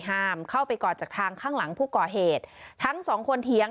ห้ามเข้าไปกอดจากทางข้างหลังผู้ก่อเหตุทั้งสองคนเถียง